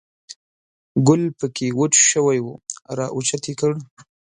ګل په کې وچ شوی و، را اوچت یې کړ.